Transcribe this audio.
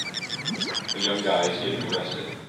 A young guy is getting arrested.